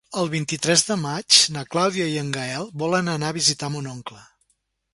El vint-i-tres de maig na Clàudia i en Gaël volen anar a visitar mon oncle.